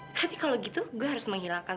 tapi kalau gitu gue harus menghilangkan